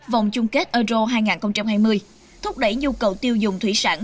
vòng chung kết euro hai nghìn hai mươi thúc đẩy nhu cầu tiêu dùng thủy sản